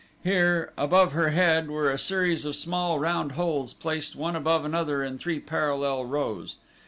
Here, above her head, were a series of small round holes placed one above another in three parallel rows.